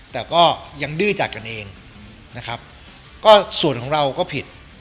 แต่ก็ยังดื้อกันเองส่วนของเราก็ผิด